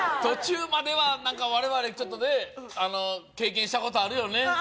途中までは我々ちょっとね経験したことあるよね